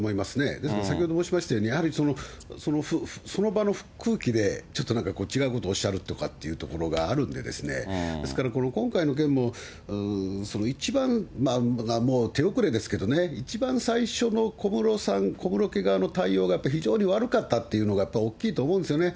ですから先ほど申しましたように、やはり、その場の空気でちょっとなんか違うことおっしゃるっていうことがあるんで、ですから、この今回の件も、一番、もう手遅れですけれどもね、一番最初の小室さん、小室家側の対応がやっぱり非常に悪かったっていうのが、大きいと思うんですよね。